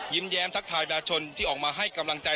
แย้มทักทายประชาชนที่ออกมาให้กำลังใจ